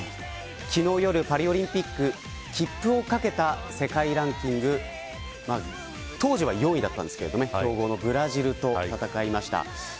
昨日夜、パリオリンピック切符を懸けた世界ランキング当時は４位だったんですけど強豪のブラジルと戦いました。